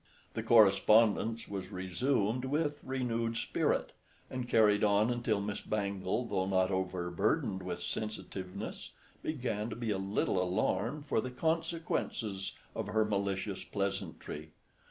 The correspondence was resumed with renewed spirit, and carried on until Miss Bangle, though not overburdened with sensitiveness, began to be a little alarmed for the consequences of her malicious pleasantry.